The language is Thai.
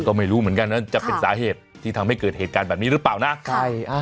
ก็ไม่รู้เหมือนกันนะจะเป็นสาเหตุที่ทำให้เกิดเหตุการณ์แบบนี้หรือเปล่านะใช่อ่า